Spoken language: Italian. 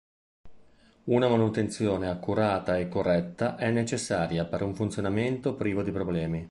Una manutenzione accurata e corretta è necessaria per un funzionamento privo di problemi.